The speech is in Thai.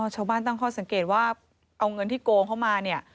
อ๋อชาวบ้านตั้งค่อยสังเกตว่าเอาเงินที่โกงเข้ามาเนี่ย